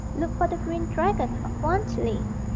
Look for the green dragon of Wantley.